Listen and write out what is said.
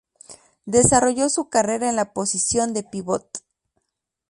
Desarrolló su carrera en la posición de pivote.